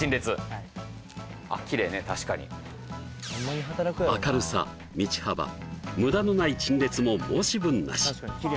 はい明るさ道幅無駄のない陳列も申し分なし